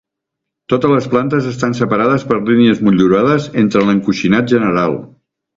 Totes les plantes estan separades per línies motllurades entre l'encoixinat general.